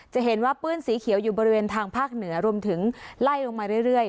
จะเห็นว่าปื้นสีเขียวอยู่บริเวณทางภาคเหนือรวมถึงไล่ลงมาเรื่อย